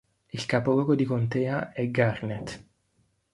Il capoluogo di contea è Garnett.